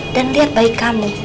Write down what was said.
dan lihat bayi kamu